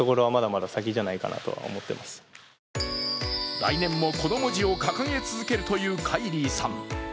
来年もこの文字を掲げ続けるというカイリーさん。